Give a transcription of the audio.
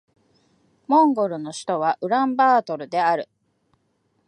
モンゴルの首都はウランバートルである